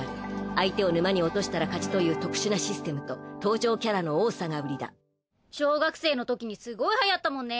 相手を沼に落としたら勝ちという特殊なシステムと登場キャラの多さがウリだ小学生のときにすごいはやったもんね！